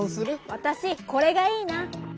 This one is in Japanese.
「わたし『これ』がいいな」。